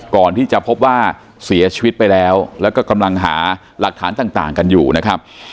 ก่อนที่จะพบว่าเสียชีวิตไปแล้วแล้วก็กำลังหาหลักฐานต่างกันอยู่นะครับ